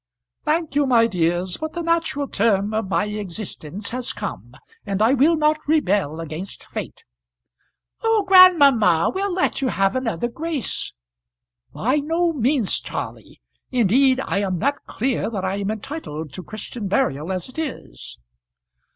"Thank you, my dears; but the natural term of my existence has come, and I will not rebel against fate." "Oh, grandmamma, we'll let you have another grace." "By no means, Charley. Indeed I am not clear that I am entitled to Christian burial, as it is."